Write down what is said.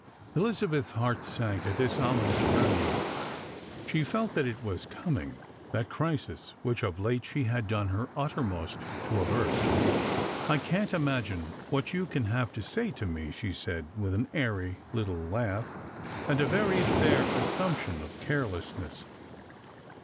Elizabeth's heart sank at this ominous prelude. She felt that it was coming, that crisis which of late she had done her utter most to avert. " I can't imagine what you can have to say to me," she said, with an airy little laugh and a very fair assumption of careless ness.